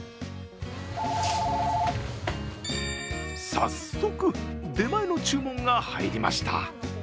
早速、出前の注文が入りました。